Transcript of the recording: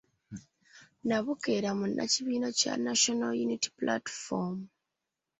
Nabukeera munnakibiina kya National Unity Platform